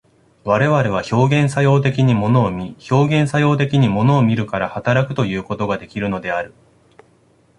我々は表現作用的に物を見、表現作用的に物を見るから働くということができるのである。